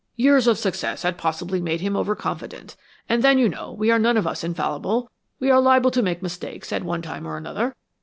Years of success had possibly made him overconfident; and then you know, we are none of us infallible; we are liable to make mistakes, at one time or another.